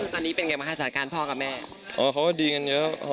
ตอนนี้เป็นยังไงแม้สาการพ่อกับแม่